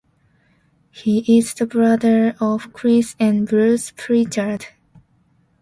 He is the brother of Chris and Bruce Prichard.